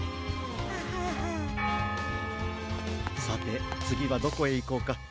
さてつぎはどこへいこうか。